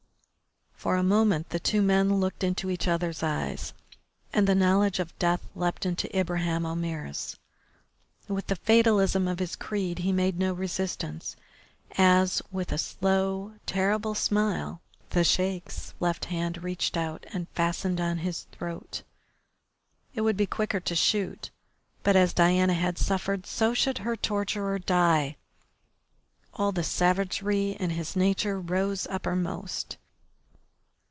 For a moment the two men looked into each other's eyes and the knowledge of death leaped into Ibraheim Omair's. With the fatalism of his creed he made no resistance, as, with a slow, terrible smile, the Sheik's left hand reached out and fastened on his throat. It would be quicker to shoot, but as Diana had suffered so should her torturer die. All the savagery in his nature rose uppermost.